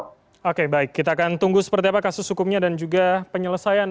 oke baik kita akan tunggu seperti apa kasus hukumnya dan juga penyelesaian